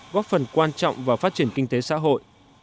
góp phần quan trọng vào phát triển kinh tế xã hội